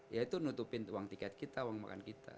ya itu nutupin uang tiket kita uang makan kita